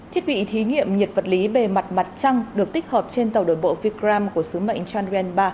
thiết bị thí nghiệm nhiệt vật lý bề mặt mặt trăng được tích hợp trên tàu đồi bộ vikram của sứ mệnh chanwen ba